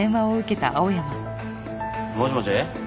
もしもし？